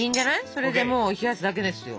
それでもう冷やすだけですよ。